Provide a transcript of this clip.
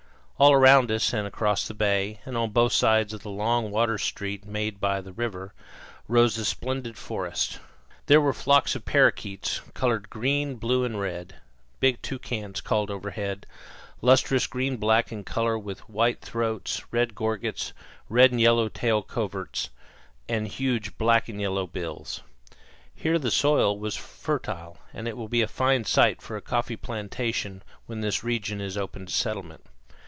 All around us, and across the bay, and on both sides of the long water street made by the river, rose the splendid forest. There were flocks of parakeets colored green, blue, and red. Big toucans called overhead, lustrous green black in color, with white throats, red gorgets, red and yellow tail coverts, and huge black and yellow bills. Here the soil was fertile; it will be a fine site for a coffee plantation when this region is open to settlement.